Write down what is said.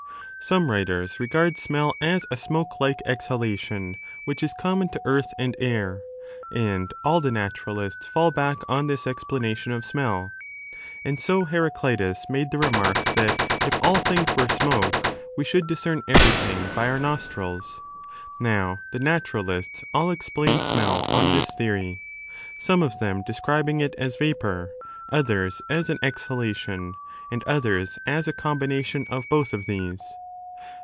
Some writers r^ard smell as a smoke like exhalation which is common to earth and air [and all the naturalists fall back on this explanation of smell]. And so Heraclitus made the remark that if 7 all things were smoke, we should discern everything by our nostrils. Now, the naturalists all explain smell on this theory, some of them describing it as vapour, others as an exhalation, and others as a combination of both of these.